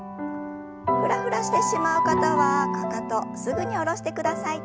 フラフラしてしまう方はかかとすぐに下ろしてください。